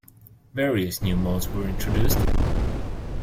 Various new modes were introduced.